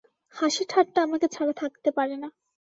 হাসি ঠাট্টা আমাকে ছাড়া থাকতে পারে না।